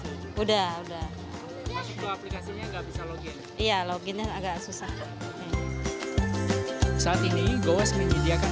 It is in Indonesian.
sudah masuk ke aplikasinya nggak bisa login iya loginnya agak susah saat ini gowes menyediakan